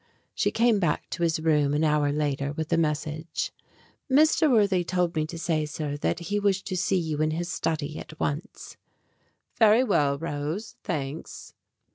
She came back to his room an hour later with a message: "Mr. Worthy told me to say, sir, that he wished to see you in his study at once." "Very well, Rose. Thanks."